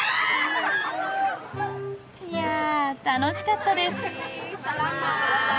いや楽しかったです。